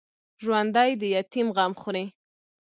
ژوندي د یتیم غم خوري